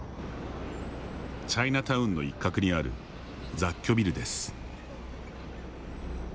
チャイナタウンの一角にある雑居ビルです。